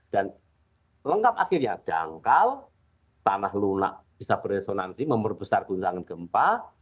dan lengkap akhirnya dangkal tanah lunak bisa beresonansi memperbesar guncangan gempa